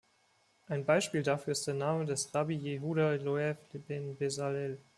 Ein Beispiel dafür ist der Name des Rabbi Yehuda Loew ben Bezalel.